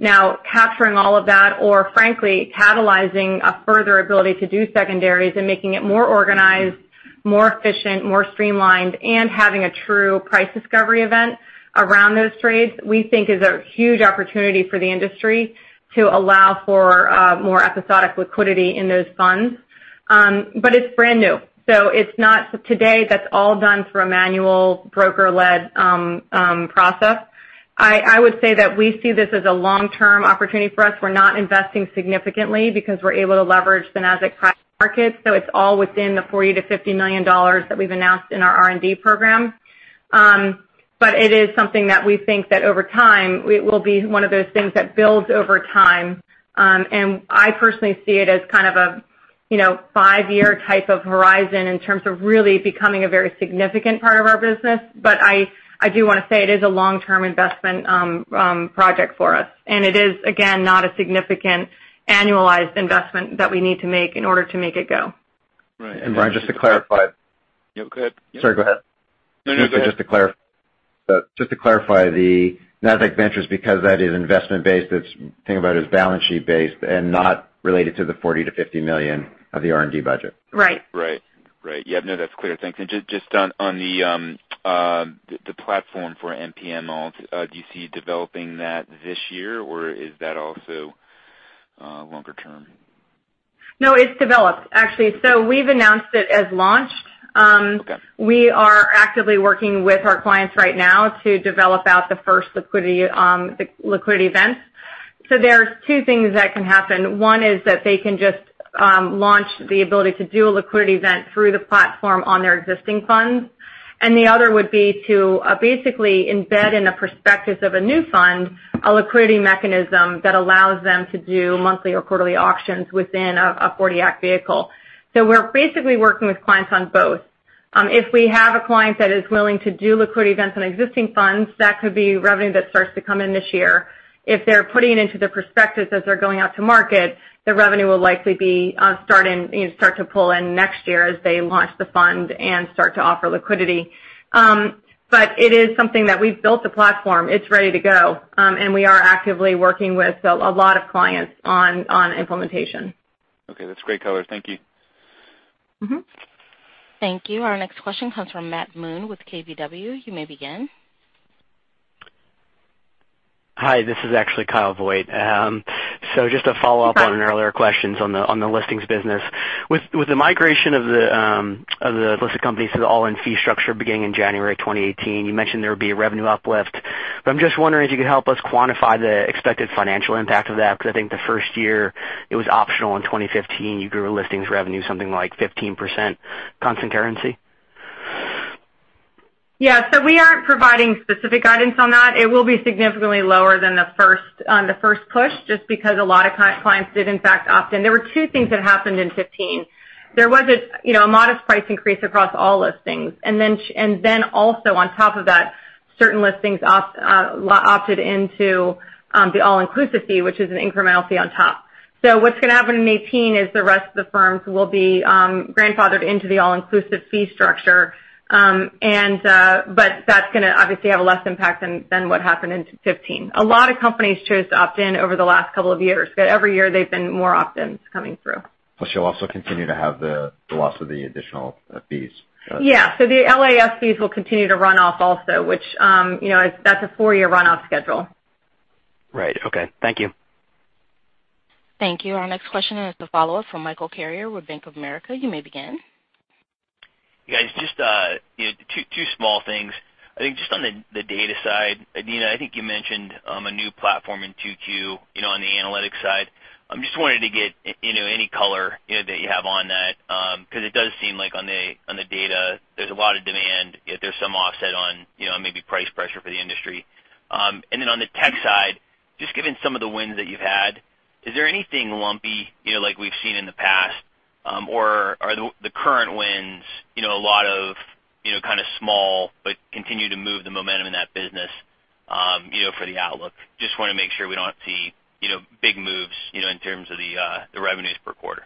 Capturing all of that, or frankly, catalyzing a further ability to do secondaries and making it more organized, more efficient, more streamlined, and having a true price discovery event around those trades, we think is a huge opportunity for the industry to allow for more episodic liquidity in those funds. It's brand new. Today, that's all done through a manual broker-led process. I would say that we see this as a long-term opportunity for us. We're not investing significantly because we're able to leverage the Nasdaq Private Market. It's all within the $40 million to $50 million that we've announced in our R&D program. It is something that we think that over time, it will be one of those things that builds over time. I personally see it as kind of a 5-year type of horizon in terms of really becoming a very significant part of our business. I do want to say it is a long-term investment project for us, and it is, again, not a significant annualized investment that we need to make in order to make it go. Right. Brian, just to clarify. No, go ahead. Sorry, go ahead. No, you go ahead. Just to clarify Just to clarify the Nasdaq Ventures, because that is investment-based, think about it as balance sheet-based and not related to the $40 million-$50 million of the R&D budget. Right. Right. Yeah, no, that's clear. Thanks. Just on the platform for NPM Alts, do you see developing that this year or is that also longer term? No, it's developed, actually. We've announced it as launched. Okay. We are actively working with our clients right now to develop out the first liquidity event. There's 2 things that can happen. One is that they can just launch the ability to do a liquidity event through the platform on their existing funds, and the other would be to basically embed in a prospectus of a new fund, a liquidity mechanism that allows them to do monthly or quarterly auctions within a '40 Act vehicle. We're basically working with clients on both. If we have a client that is willing to do liquidity events on existing funds, that could be revenue that starts to come in this year. If they're putting it into their prospectus as they're going out to market, the revenue will likely start to pull in next year as they launch the fund and start to offer liquidity. It is something that we've built the platform, it's ready to go, and we are actively working with a lot of clients on implementation. Okay, that's great color. Thank you. Thank you. Our next question comes from Matt Moon with KBW. You may begin. Hi, this is actually Kyle Voigt. Just a follow-up. Okay on earlier questions on the listings business. With the migration of the listed companies to the all-in fee structure beginning in January 2018, you mentioned there would be a revenue uplift, but I'm just wondering if you could help us quantify the expected financial impact of that, because I think the first year it was optional. In 2015, you grew listings revenue something like 15% constant currency. Yeah. We aren't providing specific guidance on that. It will be significantly lower than the first push, just because a lot of clients did in fact opt-in. There were two things that happened in 2015. There was a modest price increase across all listings. Also on top of that, certain listings opted into the all-inclusive fee, which is an incremental fee on top. What's going to happen in 2018 is the rest of the firms will be grandfathered into the all-inclusive fee structure. That's going to obviously have a less impact than what happened in 2015. A lot of companies chose to opt in over the last couple of years, but every year they've been more opt-ins coming through. You'll also continue to have the loss of the additional fees. Yeah. The LAS fees will continue to run off also, which that's a four-year runoff schedule. Right. Okay. Thank you. Thank you. Our next question is a follow-up from Michael Carrier with Bank of America. You may begin. You guys, just two small things. I think just on the data side, Adena, I think you mentioned a new platform in 2Q, on the analytics side. I just wanted to get any color that you have on that. It does seem like on the data, there's a lot of demand, yet there's some offset on maybe price pressure for the industry. On the tech side, just given some of the wins that you've had, is there anything lumpy like we've seen in the past? Or are the current wins a lot of kind of small, but continue to move the momentum in that business for the outlook? I just want to make sure we don't see big moves in terms of the revenues per quarter.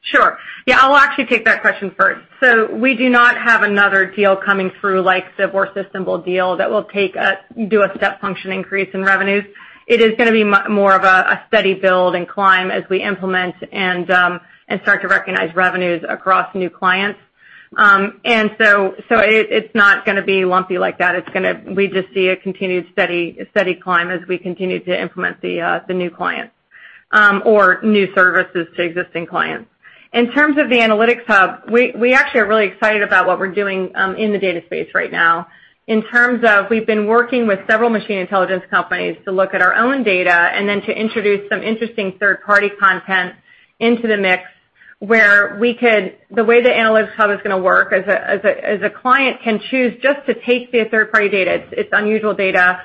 Sure. Yeah, I'll actually take that question first. We do not have another deal coming through like the Borsa Istanbul deal that will do a step function increase in revenues. It is going to be more of a steady build and climb as we implement and start to recognize revenues across new clients. It's not going to be lumpy like that. We just see a continued steady climb as we continue to implement the new clients or new services to existing clients. In terms of the Nasdaq Analytics Hub, we actually are really excited about what we're doing in the data space right now. In terms of we've been working with several machine intelligence companies to look at our own data and then to introduce some interesting third-party content into the mix where we could. The way the Nasdaq Analytics Hub is going to work is a client can choose just to take the third-party data. It's unusual data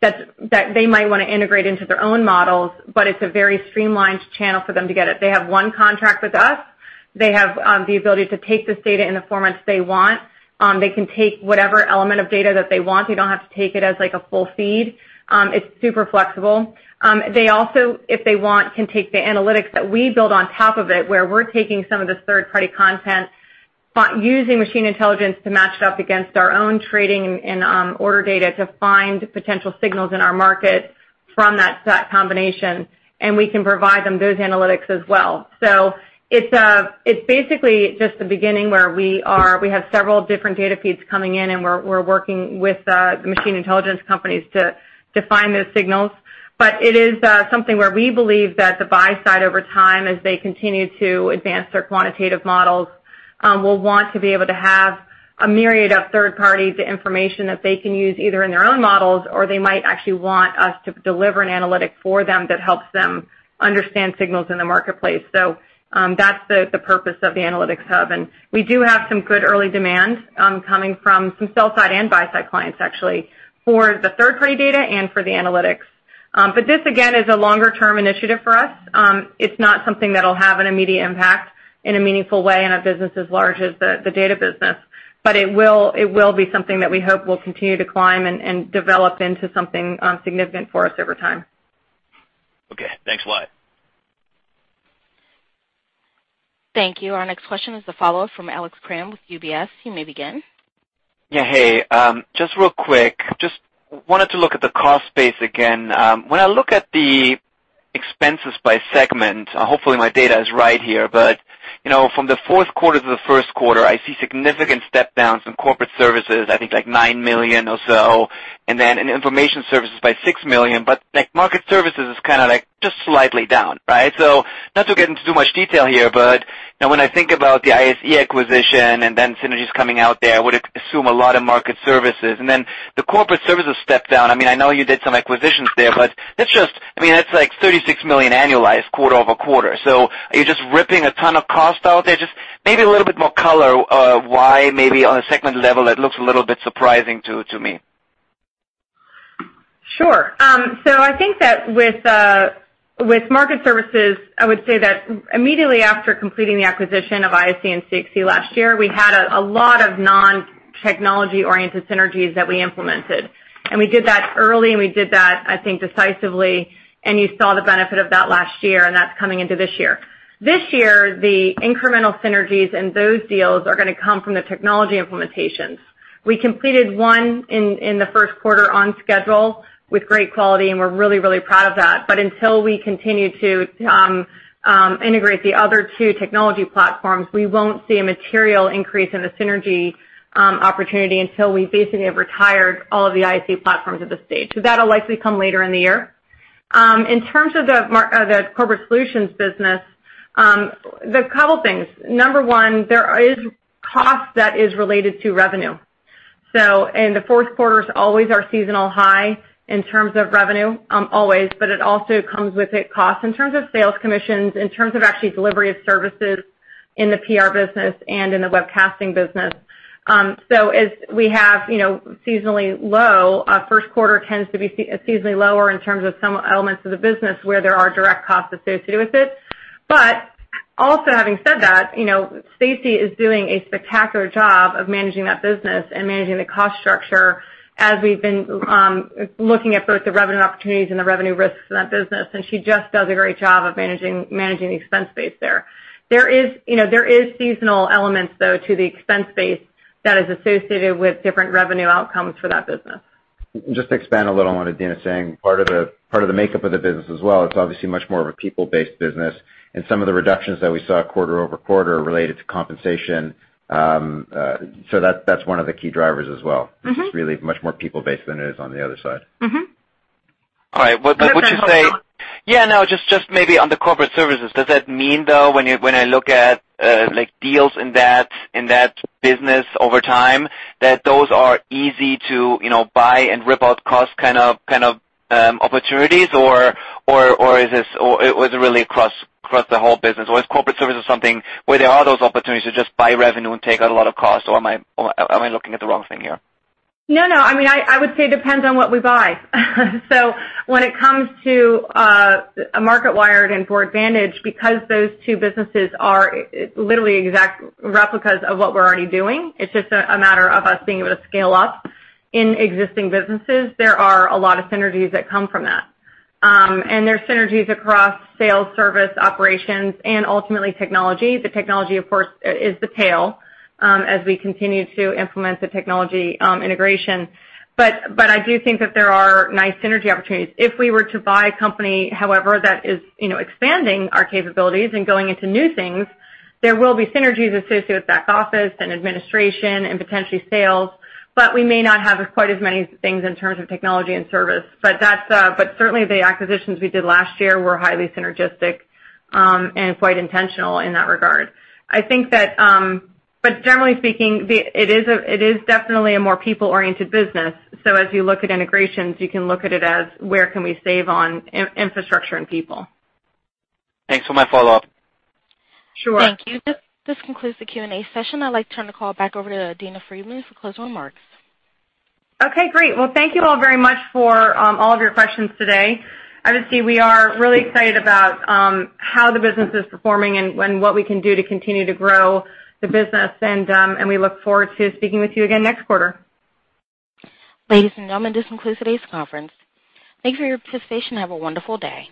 that they might want to integrate into their own models, but it's a very streamlined channel for them to get it. They have one contract with us. They have the ability to take this data in the formats they want. They can take whatever element of data that they want. They don't have to take it as like a full feed. It's super flexible. They also, if they want, can take the analytics that we build on top of it, where we're taking some of this third-party content, using machine intelligence to match it up against our own trading and order data to find potential signals in our market from that combination, and we can provide them those analytics as well. It's basically just the beginning where we have several different data feeds coming in, and we're working with the machine intelligence companies to find those signals. It is something where we believe that the buy side over time, as they continue to advance their quantitative models, will want to be able to have a myriad of third-party information that they can use either in their own models or they might actually want us to deliver an analytic for them that helps them understand signals in the marketplace. That's the purpose of the Analytics Hub, and we do have some good early demand coming from some sell-side and buy-side clients actually, for the third-party data and for the analytics. This again is a longer-term initiative for us. It's not something that'll have an immediate impact in a meaningful way in a business as large as the data business, but it will be something that we hope will continue to climb and develop into something significant for us over time. Okay. Thanks a lot. Thank you. Our next question is the follow-up from Alex Kramm with UBS. You may begin. Yeah. Hey, just real quick. Just wanted to look at the cost base again. When I look at the expenses by segment, hopefully my data is right here, from the fourth quarter to the first quarter, I see significant step downs in Corporate Solutions, I think like $9 million or so, and then in Information Services by $6 million. Market Services is kind of just slightly down, right? Not to get into too much detail here, when I think about the ISE acquisition and then synergies coming out there, I would assume a lot of Market Services. Then the Corporate Solutions step down, I mean, I know you did some acquisitions there, but that's like $36 million annualized quarter-over-quarter. Are you just ripping a ton of cost out there? Just maybe a little bit more color why maybe on a segment level it looks a little bit surprising to me. Sure. I think that with market services, I would say that immediately after completing the acquisition of ISE and CXC last year, we had a lot of non-technology-oriented synergies that we implemented. We did that early, and we did that, I think, decisively, and you saw the benefit of that last year, and that's coming into this year. This year, the incremental synergies in those deals are going to come from the technology implementations. We completed one in the first quarter on schedule with great quality, and we're really, really proud of that. Until we continue to integrate the other two technology platforms, we won't see a material increase in the synergy opportunity until we basically have retired all of the ISE platforms at this stage. That'll likely come later in the year. In terms of the corporate solutions business, there's a couple things. Number one, there is cost that is related to revenue. The fourth quarter is always our seasonal high in terms of revenue, always, but it also comes with it costs in terms of sales commissions, in terms of actually delivery of services in the PR business and in the webcasting business. As we have seasonally low, first quarter tends to be seasonally lower in terms of some elements of the business where there are direct costs associated with it. Also having said that, Stacie is doing a spectacular job of managing that business and managing the cost structure as we've been looking at both the revenue opportunities and the revenue risks in that business, and she just does a great job of managing the expense base there. There is seasonal elements, though, to the expense base that is associated with different revenue outcomes for that business. Just to expand a little on what Adena's saying, part of the makeup of the business as well, it's obviously much more of a people-based business, and some of the reductions that we saw quarter-over-quarter related to compensation. That's one of the key drivers as well. It's just really much more people-based than it is on the other side. All right. Well, would you say? Go ahead, [Mohammed]. Yeah, no, just maybe on the corporate services. Does that mean, though, when I look at deals in that business over time, that those are easy to buy and rip out cost kind of opportunities, or is it really across the whole business? Is corporate services something where there are those opportunities to just buy revenue and take out a lot of cost, or am I looking at the wrong thing here? I would say it depends on what we buy. When it comes to Marketwired and Boardvantage, because those two businesses are literally exact replicas of what we're already doing, it's just a matter of us being able to scale up in existing businesses. There are a lot of synergies that come from that. There are synergies across sales, service, operations, and ultimately technology. The technology, of course, is the tail as we continue to implement the technology integration. I do think that there are nice synergy opportunities. If we were to buy a company, however, that is expanding our capabilities and going into new things, there will be synergies associated with back office and administration and potentially sales, we may not have quite as many things in terms of technology and service. Certainly the acquisitions we did last year were highly synergistic, and quite intentional in that regard. Generally speaking, it is definitely a more people-oriented business. As you look at integrations, you can look at it as where can we save on infrastructure and people. Thanks for my follow-up. Sure. Thank you. This concludes the Q&A session. I'd like to turn the call back over to Adena Friedman for closing remarks. Okay, great. Well, thank you all very much for all of your questions today. As you see, we are really excited about how the business is performing and what we can do to continue to grow the business. We look forward to speaking with you again next quarter. Ladies and gentlemen, this concludes today's conference. Thank you for your participation and have a wonderful day.